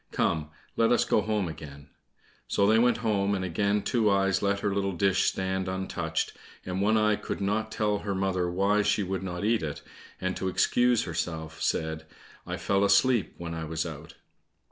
Come, let us go home again." So they went home, and again Two eyes let her little dish stand untouched, and One eye could not tell her mother why she would not eat it, and to excuse herself said, "I fell asleep when I was out."